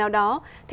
rất là kết quả